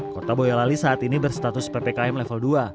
kota boyo lali saat ini berstatus ppkm level dua